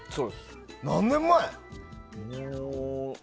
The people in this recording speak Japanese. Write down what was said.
何年前？